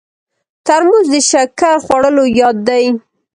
ترموز د شکر خوړلو یاد دی.